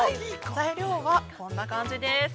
材料はこんな感じです。